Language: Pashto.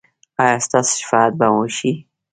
ایا ستاسو شفاعت به وشي؟